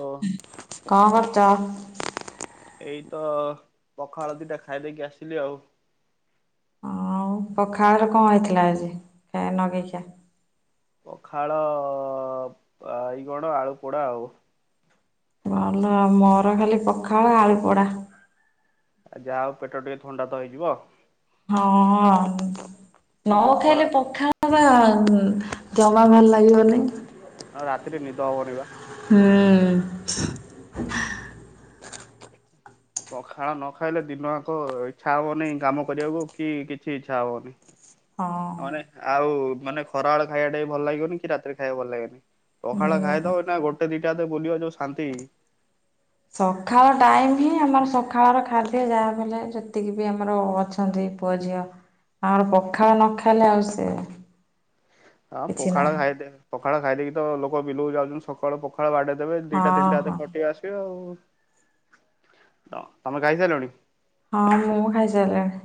ଓ ହୁଁ, କଣ କରୁଛ? ଏଇତ ପଖାଳ ଦିଟା ଖାଇଦେଇକି ଆସିଲି ଆଉ। ହ ଆଉ ପଖାଳରେ କଣ ହେଇଥିଲା ଆଜି, ନଗେଇକିଆ? ପଖାଳ, ବାଇଗଣ, ଆଳୁପୋଡ଼ା ଆଉ। ଭଲ ଆ ମୋର ଖାଲି ପଖାଳ ଆଳୁପଡା। ଆଉ ଯାହା ହେଉ ପେଟ ଟିକେ ଥଣ୍ଡା ତ ହେଇଯିବ। ହଁ, ନ ଯୋଉ ଖରା ଖାଇଲେ ପଖା - - ଜମା ଭଲ ଲାଗିବନି। ଆଉ ରାତିରେ ନିଦ ହବନି ବା। ହୁଁ ପଖାଳ ନ ଖାଇଲେ ଦିନ ଆକ ଇଚ୍ଛା ହବନି କାମ କରିବାକୁ କି କିଛି ଇଚ୍ଛା ହେବନି। ହଁ ମାନେ ଆଉ ମାନେ ଖରାବେେଳ ଖାଇବା ଟା ବି ଭଲ ଲାଗିବନି କି ରାତିରେ ଖାଇବାକୁ ଭଲ ଲାଗେନି। ପଖାଳ ହୁଁ। ଖାଇଦବ ନା ଗୋଟେ ଦିଇଟା ବୁଲିବ ଯୋଉ ଶାନ୍ତି। ସକାଳ ଟାଇମ ହିଁ ଆମର ସକାଳର ଖାଦ୍ୟ ଯାହା ହେଲେ ଯେତିକି ବି ଆମର ଅଛି। ଅ ପୁଅ ଝିଅ ଆମର ପଖାଳ ନ ଖାଇଲେ ଆଉ ସେ- - ହଁ ପଖାଳ ଖାଇ ପଖାଳ ଖାଇଦେଇକି ତ ଲୋକ ବିଲୁକୁ ଯାଉଚନ୍ତି ସକାଳ - - ପଖା ବାଡେଇ ଦେବେ ଦିଟା ହଁ ତିନିଟା ହଁ ଟିକେ ଆସିବେ ଆଉ। ତମେ ଖାଇସାରିଲଣି? ହଁ ମୁଁ ଖାଇସାରିଲିଣି।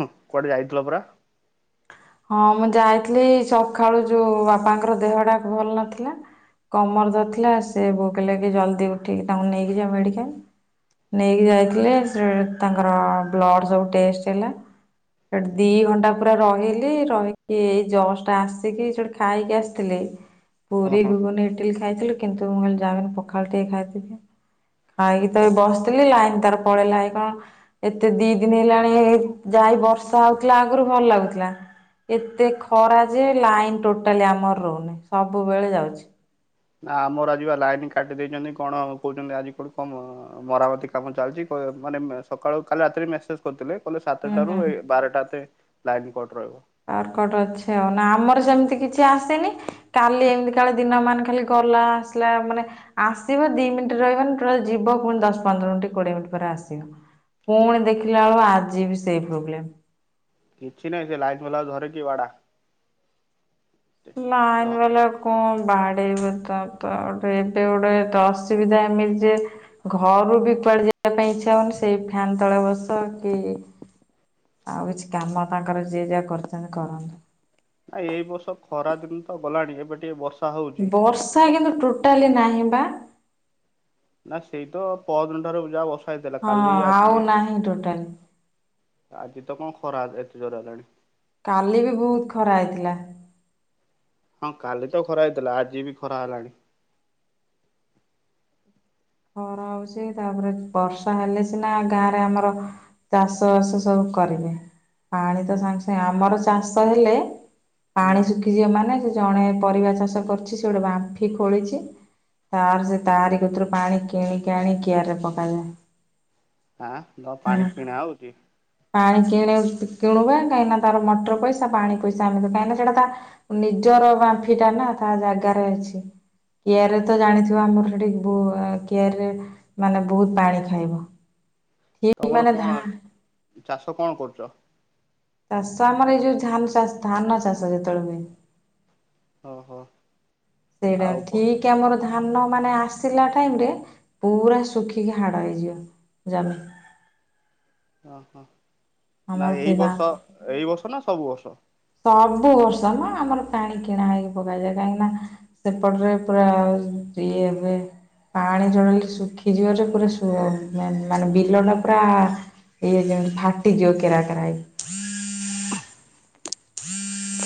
ହ କୁଆଡେ ଯାଇଥିଲ ପରା। ହଁ ମୁଁ ଯାଇଥିଲି ସକାଳୁ ଯୋଉ ବାବାଙ୍କର ଦେହ ଟା ଭଲ ନଥିଲା କମର ଦଥିଲା ସେ ଭୋଗ ଲାଗି ଜଲ୍ଦି ଉଠିକି ତାଙ୍କୁ ନେଇକି ଯାଅ ମେଡ଼ିକାଲ। ନେଇକି ଯାଇଥିଲେ ସେ- - ତାଙ୍କର ବ୍ଲଡ଼ ସବୁ ଟେଷ୍ଟ ହେଲା। ସେଠି ଦି ଘଣ୍ଟା ପୁରା ରହିଲି। ରହିକି ଏଇ ଯକ୍ଷ୍ଟ ଟା ଆସିକି ଯୋ ଖାଇକି ଆସିଥିଲେ - - ହଁ ପୁରୀ ହଁ। ଘୁଗୁନ ଇଟିଲି ଖାଇଥିଲୁ। କିନ୍ତୁ ମୁଁ କହିଲି ଯାବିନି ପଖାଳ ଟିକେ ଖାଇଥିଲି। ଖାଇକି ତ ଆଚ୍ଛା। ଏଇ ବସିଥିଲି ଲାଇନ ତାର ପଳେଇଲା କି କଂ। ଏତେ ଦି ଦିନ ହେଲାଣି ଯାଇ ବର୍ଷା ହଉଥିଲା ଆଗରୁ ଭଲ ଲାଗୁଥିଲା। ଏତେ ଖରା ଯେ ଲାଇନ ଟୋଟାଲି ଆମର ରହୁନି ସବୁବେଳେ ଯାଉଚି। ନା ଆମର ଆଜିିବା ଲାଇନ କାଟି ଦେଇେଇଚନ୍ତି କଣ କହୁଚନ୍ତି। ଆଜି କୋଠି କ ମରାମତି- - କାମ ଚାଲିଚି କ ମାନେ ସକାଳୁ କାଲି ରାତିରେ ମେସେଜ କରିଥିଲେ କହଲେ ହୁଁ ସାତଟାରୁ ହୁଁ। ଏ ବାରଟା ଭିତରେ ଲାଇନ କଟ ରହିବ। ଆକଟ ଅଛି ଆଉ। ନା ଆମର ସେମିତି କିଛି ଆସିନି, କାଲି ଏମିତି କାଳେ ଦିନ ମାନେ ଖାଲି ଗଲା- - ଆ ମାନେ ଆସିବ ଦି ମିନିଟ ରହିବ ଟୋଟାଲ ଯିବ ପୁଣି ଦଶ ପନ୍ଦର ମିନିଟ କୋଡିଏ ମିନିଟ୍ ପରେ ଆସିବ। ପୁଣି ଦେଖିଲା ବେଳ ଆଜି ବି ସେଇ ପ୍ରୋବ୍ଲେମ୍। କିଛି ନାହିଁ ସେ ଲାଇନ୍ ଭ୍ଲା ଧରେ କି ବାଡା। ନାଇନ ବେଲା କଣ ବାହାଡେଇବ ତ ତ ଗେ ଏବେ ଗୋଟେ ଅସୁବିଧା ଏମିତି ଯେ- - ଘରୁ ବି କୁଆଡେ ଯିବା ପାଇଁ ଇଚ୍ଛା ହଉନି ସେଇ ଫ୍ୟାନ ତଳେ ବସ କି- - ଆଉ କିଛି କାମ ତାଙ୍କର ଯିଏ ଯାହା କରିଚନ୍ତି କରନ୍ତୁ। ଏଇ ବର୍ଷ ଖରା ଦିନ ତ ଗଲାଣି ଏବେ ଟିକେ ବର୍ଷ ବର୍ଷା କିନ୍ତୁ ଟୋଟାଲି ନାହିଁ ବା। ନା ସେଇ ତ ପଦିନ ଠାରୁ ଯାହା ବସା ହେଇଥିଲା ହଁ କାଲି ଆଉ ଆଜି ନାହିଁ ଟୋଟାଲି ଆଜି ତ କଁ ଖରା ଏତେ ଜୋର ହେଲାଣି। କାଲି ବି ବହୁତ ଖରା ହେଇଥିଲା। ହଁ କାଲି ତ ଖରା ହେଇଥିଲା ଆଜି ବି ଖରା ହେଲାଣି। ଘର ହଉଚି, ତାପରେ ବର୍ଷା ହେଲେ ସିନା ଗାଁରେ ଆମର ଚାଷ ବାସ ସବୁ କରିବେ, ପାଣି ତ ସାଙ୍ଗେ ସାଙ୍ଗେ ଆମର ଚାଷ ହେଲେ - - ହୁଁ ପାଣି ଶୁଖିଛିି ମାନେ ଜଣେ ପରିବା ଚାଷ କରୁଛି, ସେ ଗୋଟେ ବାମ୍ଫି ଖୋଳିଛି। ତାର ସେ ତାରି କତି ରୁ ପାଣି କିଣିକି ଆଣି କିଆରରେ ପକାଯାଏ। ଆଁ ତମ ହୁଁ ପାଣି କିଣା ହଉଚି? ପାଣି କିଣ କିଣୁବା। କାହିଁକି ନା ତାର ମଟର ପଇସା, ପାଣି ପଇସା, ଆମେ କାହିଁକିନା ସେଟା ତା ନିଜର ବାମ୍ଫିଟା ନା, ତା ଜାଗାରେ ଅଛି। କିଆରିରେ ତ ଜାଣିଥିବ? ଆମର ସେଠିକି କିଆରିରେ ମାନେ ବହୁତ ପାଣି ଖାଇବ। ଠିକ ତମର ମାନେ କଣ, ଧା ଚାଷ କଣ କରୁଛ? ଚାଷ ଆମର ଏଇ ଯୋଉ ଧାନ ଚାଷ ଧାନ ଚାଷ ଯେତେବେଳେ ହୁଏ। ଓହୋ। ସେଇଟା ଆଉ ପ ଠିକ୍। କି ଆମର ଧାନ ମାନେ ଆସିଲା ଟାଇମ୍ ରେ ପୁରା ଶୁଖିକି ହାଡ ହେଇଯିବ। ଜମି। ହଁ, ହଁ, ନା ଆମର ଏଇ ସେଇବା ବର୍ଷ ଏଇ ବର୍ଷ ନା ସବୁ ବର୍ଷ? ସବୁ ବର୍ଷ ନା ଆମର ପାଣି କିଣା ହେଇକି ପକାଯାଏ। କାହିଁକି ନା ସେପଟରେ ପୁରା ଇଏ ହେବେ ପାଣି ଟୋଟାଲି ଶୁଖିଯିବାରୁ ପୁରା ସୁ ମାନେ ବିଲ ଟା ପୁରା ଇଏ ଜେମିତି ଫାଟିଯିବ କେରାକେରା ହେଇ। [unintelligible]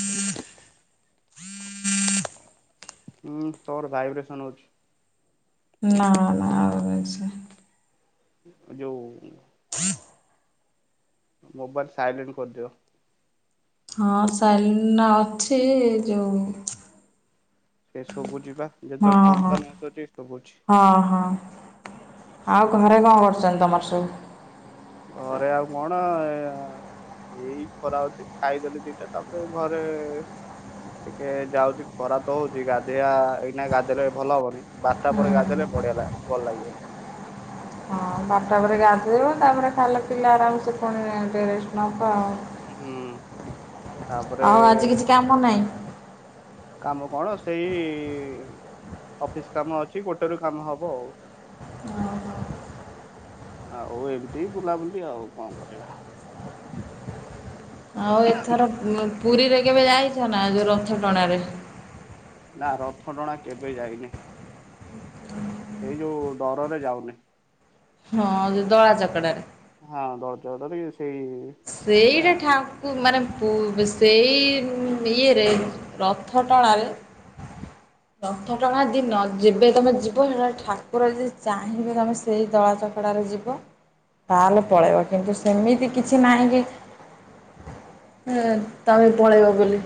ହୁଁ, ତୋର ଭାଇବ୍ରେସନ ହଉଛି? ନା ନା ଆ [unintelligible] ଯଉ [unintelligible] ମୋବାଇଲ ସାଇଲେଣ୍ଟ କରିଦିଅ? ହଁ ସାଇଲେଣ୍ଟ ଅଛି। ଯୋଉଁ ଏ ସବୁ ଯିବା, ଯେତେବେଳେ ହଁ ଫୋନ ହଁ ଫାନ ଆସୁଛି ଶୁଭୁଛି। ହଁ, ହଁ। ଆଉ ଘରେ କଣ କରୁଛନ୍ତି? ତମର ସବୁ? ଘରେ ଆଉ କଣ ଏଇ ଖରା ହଉଛି, ଖାଇଦେଲିଦିଟା ତାପରେ ଘରେ ଟିକେ ଯାଉଚି ଖରା ତ ହଉଛି ଗାଧୋଇବା, ଏଇନା ଗାଧେଇଲେ ଭଲ ହବନି। ବାର ଟା ପରେ ଗାଧେଇଲେ ବଢିଆଲାଗେ ଭଲ ଲାଗିବ। ହଁ, ବାରଟା ପରେ ଗାଧେଇବ, ତାପରେ ଖାଇଲେ ପିଇଲେ ଆରାମସେ ପୁଣି ରେଷ୍ଟେ ନବା ଆଉ, ହୁଁ। ତାପରେ ଆଉ ଆଜି କିଛି କାମ ନାହି? କାମ କଣ, ସେଇ ଅଫିସ କାମ ଅଛି ଗୋଟେ ରୁ କାମ ହବ ଆଉ। ହଁ, ହଁ। ଆଉ ଏମିତି ବୁଲାବୁଲି ଆଉ କଣ କରିବା। ଆଉ ଏଥର ପୁରୀରେ କେବେ ଯାଇଛ ନା? ଯୋଉ ରଥ ଟଣାରେ? ନା ରଥଟଣା କେବେ ଯାଇନି। ସେଇ ଯୋଉ ଡରରେ ଯାଉନି। ହଁ, ଯୋଉ ଦଳା ଚକଡ଼ାରେ। ହଁ, ଦଳା ଚକଡାରେ ସେଇ ଏ ସେଇଟା ଠାକ କୁ ମାନେ ସେଇ ଇଏରେ, ରଥ ଟଣାରେ ରଥଟଣା ଦିନ, ଯେବେ ତମେ ଯିବ, ସେଠୁ ଠାକୁର ଯଦି ଚାହିଁବେ ତମେ ସେଇ ଦଳା ଚକଡ଼ାରେ ଯିବ, ତାହେଲେ ପଳେଇବ। କିନ୍ତୁ ସେମିତି କିଛି ନାହିଁ କି, ତମ ପଳେଇବ ବୋଲି।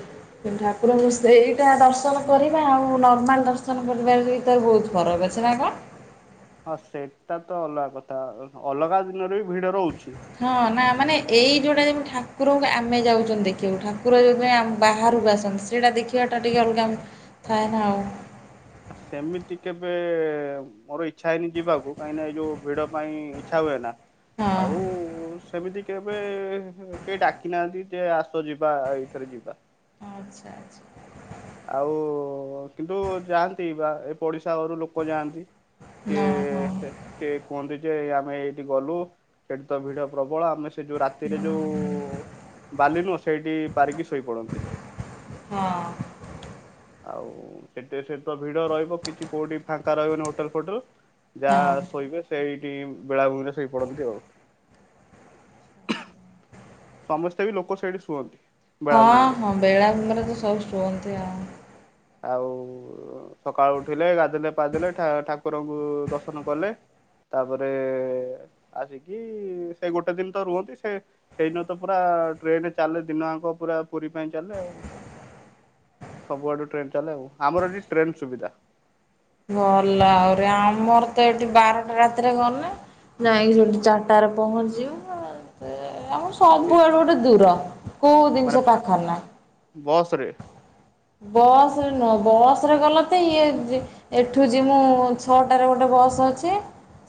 ଠାକୁରଙ୍କୁ ସେଇଟା ଦର୍ଶନ କରିବା ଆଉ ନର୍ମାଲ ଦର୍ଶନ କରିବାରେ ବି ତ ବହୁତ ଫରକ୍ ଅଛି। [unintelligible] ହଁ ସେଇଟା ତ ଅଲଗା କଥା ଅଲଗା ଦିନରେ ବି ଭିଡ ରହୁଚି। ହଁ ନା ମାନେ ଏଇ ଯୋଉଟା ଯେମିତି ଠାକୁରଙ୍କୁ ଆମେ ଯାଉଚନ୍ତି ଦେଖିବାକୁ ଠାକୁର ଯେଉଁଥିପାଇଁ ବାହାରକୁ ଆସନ୍ତି ସେଇଟା ଦେଖିବାଟା ଟିକେ ଅଲଗା ଥାଏ ନା ଆଉ। ଆ ସେମିତି କେବେ ମୋର ଇଚ୍ଛା ହେଇନି ଯିବାକୁ କାହିଁକି ନା ଏ ଯୋଉ ଭିଡ ପାଇଁ ଇଛା ହୁଏ ନା। ହଁ ଆଉ ସେମିତି କେବେ କେହି ଡାକି ନାହାନ୍ତି ଯେ ଆସ ଯିବା ଏଇଥିରେ ଯିବା। ଆଚ୍ଛା ଆଚ୍ଛା। ଆଉ କିନ୍ତୁ ଯାଆନ୍ତି ବା ଏ ପଡିଶା ଘରୁ ଲୋକ ଯାଆନ୍ତି। ନ ହଁ [unintelligible] ସିଏ କୁହନ୍ତି ଯେ ଆମେ ଏଇଠି ଗଲୁ ସେଠି ତ ଭିଡ ପ୍ରବଳ ଆମେ ସେ ଯୋଉ ରାତିରେ ଯୋଉ ବାଲି ନୁହଁ ସେଇଠି ପାରିକି ଶୋଇପଡନ୍ତି। ହଁ। ଆଉ ସେଠି ସେ ତ ଭିଡ ରହିବ କିଛି କୋଉଠି ଫାଙ୍କା ରହିବନି ହୋଟେଲ ଫୋଟେଲ ଯାହା ହଁ। ଶୋଇବେ ସେଇଠି ବେଳାଭୂମିରେ ଶୋଇ ପଡନ୍ତି ଆଉ। ସମସ୍ତେ ବି ଲୋକ ସେଇଠି ଶୁଅନ୍ତି। ହଁ ବେଳାଭୂମିରେ। ହଁ ବେଳାଭୂମିରେ ତ ସବୁ ଶୁଅନ୍ତି ଆଉ। ଆଉ ସକାଳୁ ଉଠିଲେ ଗାଧେଇଲେ ପାଧେଇଲେ ଠାକୁରଙ୍କୁ ଦର୍ଶନ କଲେ ତାପରେ ଆସିକି ସେ ଗୋଟେ ଦିନ୍ ତ ରୁହନ୍ତି ସେ ସେଇନ ତ ପୁରା ଟ୍ରେନ ଚାଲେ ଦିନ‌ଆଙ୍କ ପୁରା ପୁରୀ ପାଇଁ ଚାଲେ ଆଉ ସବୁଆଡୁ ଟ୍ରେନ ଚାଲେ ଆଉ ଆମର ଏଠି ଟ୍ରେନ ସୁବିଧା। ଭଲ ଆହୁରି ଆମର ତ ଏଠି ବାରଟା ରାତିରେ ଗନେ ଯାଇଁକି ସେଠି ଚା‌ର୍‌ଟାରେ ପହଞ୍ଚିବ। ସେ ଆମର ଏ ସବୁଆଡ଼ୁ ଗୋଟେ ଦୂର କୋଉ ଜିନ୍‌ଷ ପାଖରେ ନାଇଁ। ବସ୍‌ରେ? ବସ୍‌ରେ ନୁହ ବସ୍ ରେ ଗଲେ ତ ଇଏ ଜି ଏଠୁ ଯିମୁ ଛଟାରେ ଗୋଟେ ବସ୍ ଅଛି।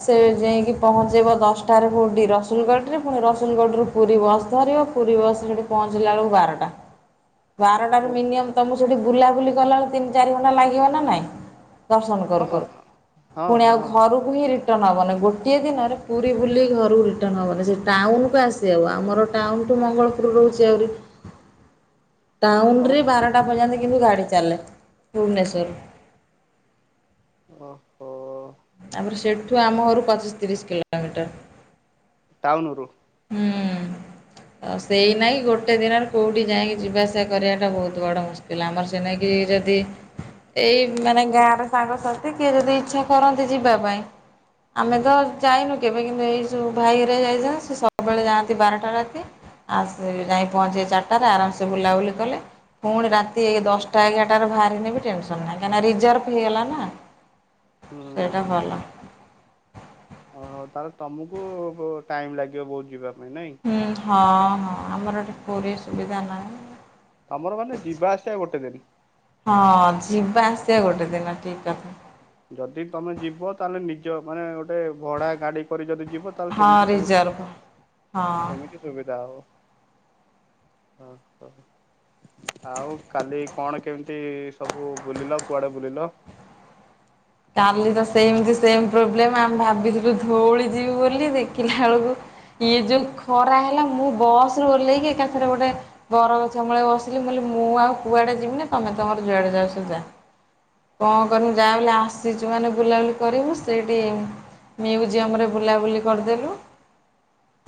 ସେ ଯାଇଁକି ପହଞ୍ଚେଇବ ଦଶଟା ରେ କୋଉଠି ରସୁଲ୍‌ଗଡ୍‌ରେ। ପୁଣି ରସୁଲ୍‌ଗଡ୍‌ରୁ ପୁରୀ ବସ୍ ଧରିବ ପୁରୀ ବସ୍ ସେଠି ପହଞ୍ଚିଲା ବେଳକୁ ବାରଟା। ବାରଟାରୁ ଓ ମିନିଅମ୍ ତମୁକୁ ସେଠି ବୁଲାବୁଲି କଲା ବେଳେ ତିନ୍ ଚାରି ଘଣ୍ଟା ଲାଗିବ ନା ନାଇଁ? ଦର୍ଶନ୍ କରୁ ହଁ କରୁ ହଁ ପୁଣି ଆଉ ହଁ ଘରୁ [unintelligible] ରିଟନ୍ ହବନି ଗୋଟିଏ ଦିନରେ ପୁରୀ ବୁଲି ଘରୁ ରିଟର୍ନ ହବନି ସେ ଟାଉନକୁ ଆ ସେ ଆଉ ଆମର ଟାଉନଠୁ ମଙ୍ଗଳପୁର ରହୁଚି ଆହୁରି ତମର ଟାଉନରେ ବାରଟା ପର୍ଯ୍ୟନ୍ତ କିନ୍ତୁ ଗାଡ଼ି ଚାଲେ ଭୁବନେଶ୍ୱର୍‌ରୁ। ଓ ହୋ। ତା ପରେ ସେଠୁ ଆମ ଘରୁ ପଚିଶ ତିରିଶ କିଲୋମିଟର। ଟାଉନୁ ରୁ? ହୁଁ। ଆଉ ସେଇ ନାହିଁ ଗୋଟେ ଦିନରେ କୋଉଠି ଯାଇକି ଯିବାଆସିବା କରିବାଟା ବହୁତ ବଡ଼ ମୁସ କିଲ ଆମର ସେଇ ନାକି ଯଦି ଏଇ ମାନେ ଗାଁରେ ସାଙ୍ଗସାଥି କିଏ ଯଦି ଇଚ୍ଛା କରନ୍ତି ଯିବା ପାଇଁ ଆମେ ତ ଯାଇନୁ କେବେ କିନ୍ତୁ ଏଇ ଯୋଉ ଭାଇ ଘରିଆ ଯାଇଛନ୍ତି ସେ ସବୁବେଳେ ଯାଆନ୍ତି ବାରଟା ରାତି ଆଉ ସେ ଯାଇ ପହଞ୍ଚିବେ ଚାର୍ଟାରେ ଆରାମସେ ବୁଲାବୁଲି କଲେ ପୁଣି ରାତି ଦଶ୍ଟା ଏଗାର୍ଟାରେ ବାହାରିନେି ବି ଟେନ୍‌ସନ୍ ନାହିଁ କାହିଁକି ନା ରିଜର୍ଭ ହେଇଗଲା ନା। ହୁଁ ସେଇଟା ହୁଁ ଭଲ। ଓହୋ, ତାହେଲେ ତମକୁ ବ ଟାଇମ୍ ଲାଗିବ ବହୁତ୍ ଯିବା ପାଇଁ, ନାଇଁ? ଉଁ ହଁ, ହଁ, ଆମର ଏଠି ପୁରୀ ସୁବିଧା ନାଇଁ। ତମର ମାନେ ଯିବା ଆସିଆ ଗୋଟେ ଦିନ୍। ହଁ, ଯିବା ଆସିଆ ଗୋଟେ ଦିନ ଠିକ୍ କଥା। ଯଦି ତମେ ଯିବ, ତାହେଲେ ନିଜ ମାନେ ଗୋଟେ ଭଡା ଗାଡି କରି ଯଦି ଯିବ ତାହେଲେ, ହଁ ସେମିତି ତମ [unintelligible] ରିଜର୍ଭ ସୁବିଧା ହବ। ହଁ। ସେମିତି ସୁବିଧା ହବ। ହଁ କହ? ଆଉ କାଲି କଣ କେମିତି ସବୁ ବୁଲିଲ, କୁଆଡେ ବୁଲିଲ? କାଲି ତ ସେମ୍‌ତି ସେମ୍ ପ୍ରୋବ୍ଲେ‌ମ୍ ଆମେ ଭାବିଥିଲୁ ଧୋଉଳି ଯିବୁ ବୋଲି ଦେଖିଲା ଅଳକୁ ଇଏ ଯୋଉ ଖରା ହେଲା, ମୁଁ ବସ୍‌ରୁ ଓହ୍ଲେଇକି ଏକାଥରେ ଗୋଟେ ବରଗଛ ମୂଳେ ବସିଲି, ମୁଁ କଲି, ମୁଁ ଆଉ କୁଆଡେ ଯିମିନି। ତମେ ତମର ଯୁଆଡେ ଯାଉଛ ଯା। କଁ କନି, ଗାଁ ବାଲା ଆସ୍ ସି ଯଉମାନେ ବୁଲାବୁଲି କରିବୁ, ସେଇଠି ମ୍ୟୁଜିୟମ୍ ରେ ବୁଲାବୁଲି କରିଦେଲୁ।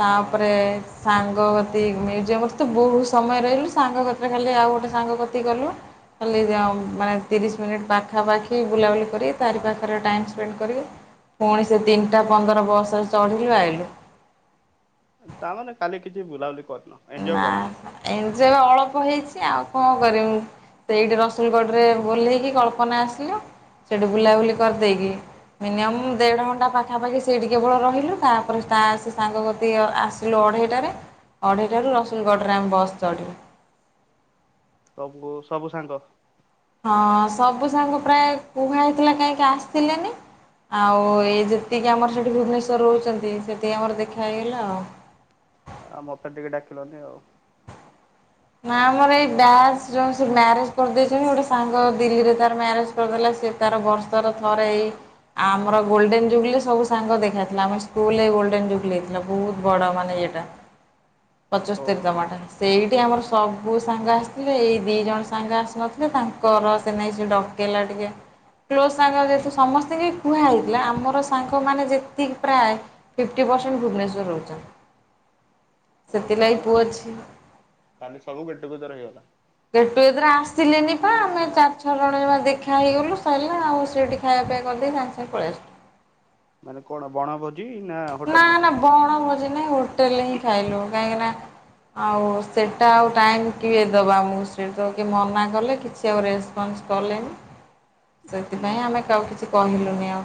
ତାଁ ହଁ ପରେ-ଜ୍ ସାଙ୍ଗ କତିକ୍, ମ୍ୟୁଜିୟମରେ ତ ବହୁତ୍ ସମୟ ରହିଲୁ। ସାଙ୍ଗ କତିରେ ଖାଲି ଆଉ ଗୋଟେ ସାଙ୍ଗ କତି ଗଲୁ। ଖାଲି ଯାଉଁ ମାନେ ତିରିଶ ମିନିଟ୍ ପାଖାପାଖି ବୁଲାବୁଲି କରି ତାରି ପାାଖରେ ଟାଇମ୍ ସ୍ପେଣ୍ଡ କରି ଫୁଣି ସେ ତିନିଟା ପନ୍ଦର ବସ୍ ରେ ଚଢିଲୁ, ଆଇଲୁ। ତା ମାନେ କାଲି କିଛି ବୁଲାଉଲି କରିନ। ଏଞ୍ଜୟ ନା କରିନ ଏମତି [unintelligible] ଅଳପ ହେଇଚି, ଆଉ କଁ। [unintelligible] ସେଇଠି ରସୁଲଗଡ ରେ ଓହ୍ଲେଇକି କଳ୍ପନା ଆସିଲୁ, ସେଠୁ ବୁଲାବୁଲି କରିଦେଇକି ମିନିମମ୍ ଦେଢ଼ ଘଣ୍ଟା ପାଖାପାଖି ସେଇଠି କେବଳ ରହିଲୁ। ତା'ପରେ ତା ସେ ସାଙ୍ଗ କତି ଆସ୍ ଲୁ ଅଢ଼େଇଟାରେ। ଅଢ଼େଇଟାରୁ ରସୁଲଗଡ଼ରେ ଆମେ ବସ୍ ଚଢ଼ିବୁ। ସବୁ, ସବୁ ସାଙ୍ଗ। ହଁ, ସବୁ ସାଙ୍ଗ ପ୍ରାୟ କୁହା ହେଇଥିଲା କାହିଁକି ଆସିଲେନି? ଆଉଁ, ଏ ଯେତିକି ଆମର ସେଇଠି ଭୁବନେଶ୍ୱର ରହୁଚନ୍ତି, ସେତିକି ଆମର ଦେଖା ହେଇଗଲା ଆଉ। ଆ, ମତେ ଟିକେ ଡାକିଲନି ଆଉ। ନା ଆମର ଏଇ ବ୍ୟାଚ୍ ଯୋଉଁ ସେ ମ୍ୟାରେଜ୍ କରିଦେଇଚନି, ଗୋଟେ ସାଙ୍ଗ ଦିଲ୍ଲୀରେ ତାର ମ୍ୟାରେଜ୍ କର୍ ଦେଲା ସେ ତାର ବର୍ଷର ଥରେ ଏଇ ଆମର ଗୋଲ୍ ଡେନ୍ ଜୁବ୍ ଲି ସବୁ ସାଙ୍ଗ ଦେଖାହେଇଥିଲା। ଆମ ସ୍କୁଲ୍ ରେ ଗୋଲ୍ଡେନ୍ ଜୁବ୍ ଲି ହେଇଥିଲା। ବହୁତ୍ ବଡ଼ ମାନେ ଇଏଟା। ପଚଶସ୍ତରୀ ଓହୋ ତମ ଏଟା। ସେଇଠି ଆମର ସବୁ ସାଙ୍ଗ ଆସିଥିଲେ। ଏଇ ଦିଇ ଜଣ ସାଙ୍ଗ ଆସିନଥିଲେ, ତାଙ୍କର ସେ ନେଇ ସେ ଡକ୍ କେଇଲା ଟିକେ। କ୍ଲୋଜ୍ ସାଙ୍ଗ ଯେହେତୁ ସମସ୍ତିଙ୍କି କୁହା ହେଇଥିଲା। ଆମର ସାଙ୍ଗମାନେ ଯେତିକି ପ୍ରାୟ ଫିଫ୍ଟି ପରସେଣ୍ଟ୍ ଭୁବନେଶ୍ୱର ରହୁଚନ୍ତି। ହଉ ତା ମାନେ ପୁଅ ଝିଅ କ-କାଲି ସବୁ ଗେଟ୍ ଟୁଗେଦର୍ ହେଇଗଲା। ଗେଟ୍ ଟୁଗେଦର୍ ଆସିଲେନି ପା, ଆମେ ଚାରି ଛଅ ଜଣ ଜମା ଦେଖା ହେଇଗଲୁ, ସଇଲା ଆଉ, ସେଇଟି ଖାଇଆ ପିଆ କରିଦେଇ ସାଙ୍ଗ୍ ସାଙ୍ଗ୍ ପଳେଇଆସ ମାନେ କଣ! ବଣଭୋଜି ନା, ହୋଟେଲ୍ ଲେ? ବଣ ଭୋଜି ନାଇଁ, ହୋଟେଲ୍ ଲେହିଁ ଖାଇଲୁ। କାହିଁକି ନା ଆଉ ସେଇଟା ଆଉ ଟାଇମ୍ କିଏ ଦବ ଆମକୁ? ସିଏ ତ କିଏ ମନା କଲେ କିଛି ସେ ଆଉ ରେସପନ୍ସ କଲେନି। ସେଥିପାଇଁ ହୁଁ ଆମେ କହାକୁ କିଛି କହିଲୁନି ଆଉ।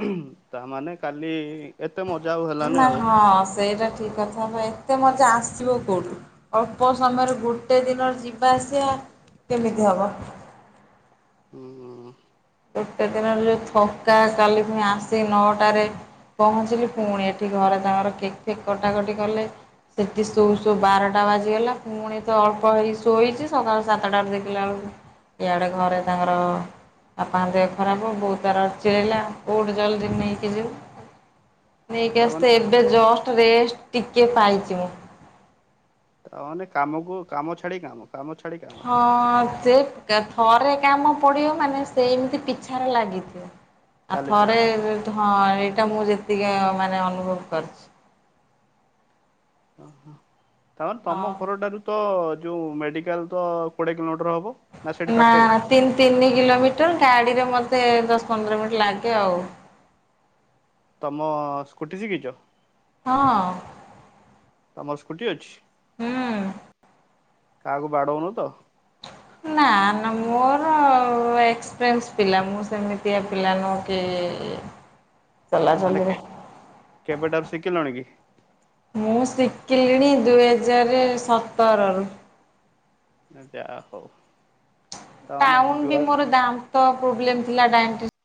ହୁଁ, ତାମାନେ କାଲି-ଇ ଏତେ ମଜା ଆଉ ହେ ନା, ହଁ, ସେଇଟା ଠିକ୍ କଥ୍ ହଁବା ଏତେ ମଜା ଆସିବ କୋଉଠୁ ଅଳ୍ପ ସମୟରେ ଗୋଟେ ଦିନରେ ଯିବା ଆସିବା କେମିତି ହବ? ହୁଁ। ଗୋଟେ ଦିନରେ ଯୋଉ ଥକା କାଲି ପୁଣି ଆସି ନଅଟାରେ ପହଞ୍ଚିଲି ପୁଣି ଏଠି ଘରେ ତାଙ୍କର କେକ୍ ଫେକ୍ କଟାକଟି କଲେ। ସେଠି ସୋଉ ସୋଉ ବାରଟା ବାଜିଗଲା ପୁଣି ତ ଅଳ୍ପ ହେଇ ଶୋଇଚି ସକାଳୁ ସାତଟା ଦେଖିଲା ବେଳକୁ ଇଆଡ଼େ ଘରେ ତାଙ୍କର ବାପଙ୍କ ଦେହ ଖରାପ ବୋଉ ତାର ଚିଳେଇଲା ଉଠୁ ଜଲ୍ଦି ନେଇକି ଯିବୁ। ନେଇକି ତାମାନେ ଆସିତେ ଏବେ ଜଷ୍ଟ ରେଷ୍ଟ ଟିକିଏ ପାଇଚି ମୁଁ। ତା ମାନେ କାମକୁ କାମ ଛାଡିି କାମ କାମ ଛାଡି କାମ। ହଁ ସେ କେ ଥରେ କାମ ପଡ଼ିବ ମାନେ ସେମିତି ପିଛାରେ ଲାଗିଥିବ। ଆଉ ଚାଲିଥିବ। ଥରେ ହଁ ଏଇଟା ମୁଁ ଯେତିକି ମାନେ ଅନୁଭବ କରିଚି। ଓହୋ ତାମାନେ ତମ ହଁ। ଘରଟାରୁ ତ ଯୋଉ ମେଡିକାଲ ତ କୋଡିଏ କିଲୋମିଟର ହବ? ସେଇଠି ନା ପାଖରେ? ତିନି ତିନି କିଲୋମିଟର ଗାଡିରେ ମୋତେ ଦଶ ପନ୍ଦର ମିନିଟ୍ ଲାଗେ ଆଉ। ତମ ସ୍କୁଟି ଶିଖିଚ? ହଁ। ତମର ସ୍କୁଟି ଅଛି? ହୁଁ। କାହାକୁ ବାଡ଼ଉନୁ ତ? ନା ନା ମୋର ମୁଁ ଏକ୍ସପ୍ରେଏନ୍ସ ପିଲା ମୁଁ ସେମିତିଆ ପିଲା ନୁହଁ କି ମାନେ ଚଲାଚଲିରେ କେ କେବେଟାରୁ ଶିଖିଲଣି କି? ମୁଁ ଶିଖିଲିଣି ଦୁଇହଜାର ସତରରୁ। ଯା ହଉ। ତାମାନେ ଟାଉନ୍ ବି ଯୁଆଡେ ମୋର ଦାନ୍ତ ପ୍ରୋବ୍ଲେମ ଥିଲା ଡାଇଁଟିସ୍